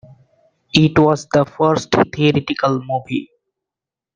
It was the first theatrical movie.